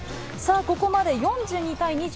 ここまで４２対